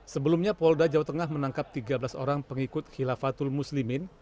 sebelumnya polda jawa tengah menangkap tiga belas orang pengikut khilafatul muslimin